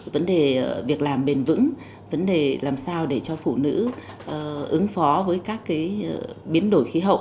vấn đề việc làm bền vững vấn đề làm sao để cho phụ nữ ứng phó với các biến đổi khí hậu